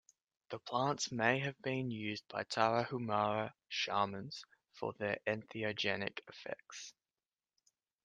The plants may have been used by Tarahumara shamans for their entheogenic effects.